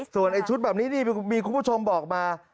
ส่วนไอ้ชุดแบบนี้นี่มีคุณผู้ชมบอกมา